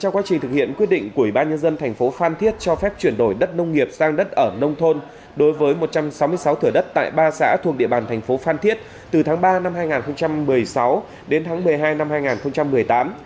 trong quá trình thực hiện quyết định của ủy ban nhân dân thành phố phan thiết cho phép chuyển đổi đất nông nghiệp sang đất ở nông thôn đối với một trăm sáu mươi sáu thửa đất tại ba xã thuộc địa bàn thành phố phan thiết từ tháng ba năm hai nghìn một mươi sáu đến tháng một mươi hai năm hai nghìn một mươi tám